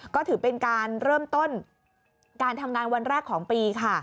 ก็ถือเป็นการเริ่มต้นการทำงานวันแรกของปีค่ะ